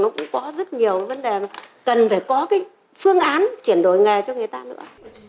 cũng có rất nhiều vấn đề cần phải có cái phương án chuyển đổi nghề cho người ta nữa